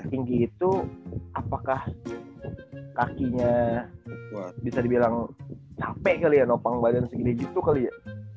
tinggi itu apakah kakinya bisa dibilang capek kali ya nopang badan segini gitu kali ya